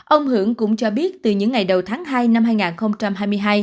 ông hưởng cũng cho biết từ những ngày đầu tháng hai năm hai nghìn hai mươi hai